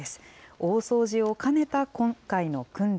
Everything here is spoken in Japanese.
大掃除を兼ねた今回の訓練。